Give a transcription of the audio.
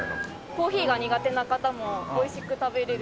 コーヒーが苦手な方も美味しく食べられる。